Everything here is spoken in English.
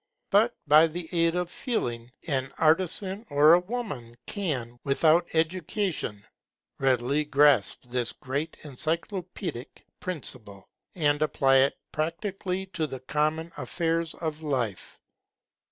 But by the aid of Feeling, an artisan or a woman can, without education, readily grasp this great encyclopædic principle, and apply it practically to the common affairs of life.